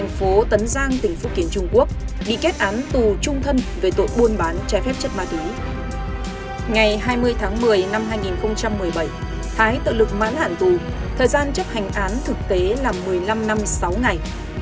ngày hai mươi tháng một mươi năm hai nghìn một mươi bảy thái tự lực mãn hẳn tù thời gian chấp hành án thực tế là một mươi năm năm sáu ngày